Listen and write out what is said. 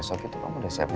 sekarang ada preview pak